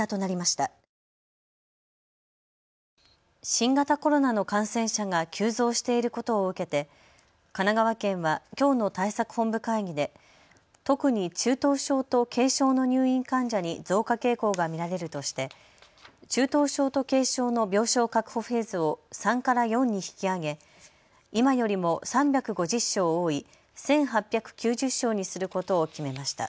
新型コロナの感染者が急増していることを受けて神奈川県はきょうの対策本部会議で特に中等症と軽症の入院患者に増加傾向が見られるとして中等症と軽症の病症確保フェーズを３から４に引き上げ今よりも３５０床多い１８９０床にすることを決めました。